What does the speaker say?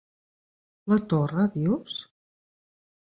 - La torra, dius?